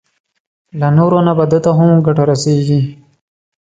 له نورو نه به ده ته هم ګټه رسېږي.